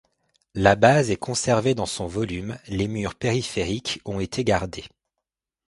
La base est conservée dans son volume, les murs périphériques ont été gardés.